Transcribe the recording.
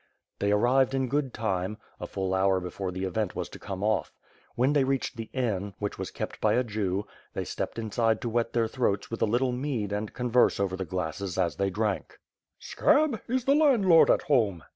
They arrived in good time, a full hour before the event was to come off. When they reached the inn, which was kept by a Jew, they stepped inside to wet their throats with a little mead and converse over the glasses as they drank. "Scab, is the landlord at home?"